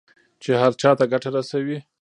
چې هر چا ته ګټه رسوي.